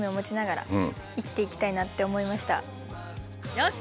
よし。